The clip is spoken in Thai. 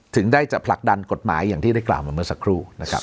ถึงได้จะผลักดันกฎหมายอย่างที่ได้กล่าวมาเมื่อสักครู่นะครับ